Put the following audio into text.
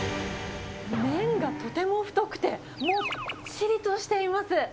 麺がとても太くて、もっちりとしています。